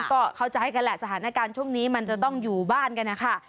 ก็เข้าใจกันแหละสถานการณ์ช่วงนี้มันจะต้องอยู่บ้านกันนะคะ